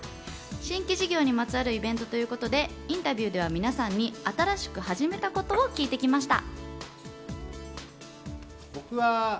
新規事業にまつわるイベントということでインタビューではみなさんに新しく始めたことを聞いてきました。